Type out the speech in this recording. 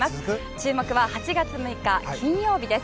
注目は８月６日、金曜日です。